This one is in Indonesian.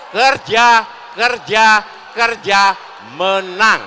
kerja kerja kerja menang